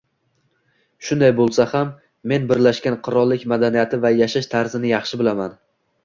Shunday boʻlsa ham men Birlashgan Qirollik madaniyati va yashash tarzini yaxshi bilaman.